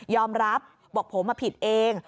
ยอมรับบอกผมว่าผิดเอง